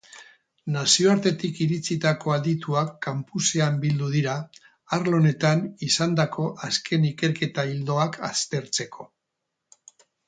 Nazioartetik iritsitako adituak campusean bildu dira arlo honetan izandako azken ikerketa ildoak aztertzeko.